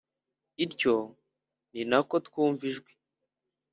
ityo ninako twumva ijwi